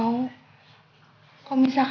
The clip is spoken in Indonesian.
kau bisa kembali sama aku